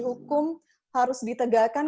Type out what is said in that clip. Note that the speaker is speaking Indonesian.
hukum harus ditegakkan